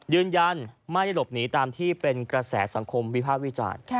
ยืนยันไม่ได้หลบหนีตามที่เป็นกระแสสังคมวิภาควิจารณ์